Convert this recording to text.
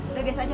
udah biasa aja